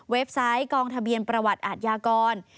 ไซต์กองทะเบียนประวัติอาทยากร